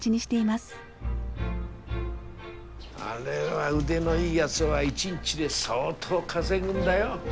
あれは腕のいいやづは一日で相当稼ぐんだよ。